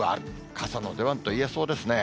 傘の出番といえそうですね。